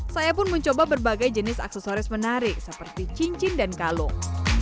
saya pun mencoba berbagai jenis aksesoris menarik seperti cincin dan kalung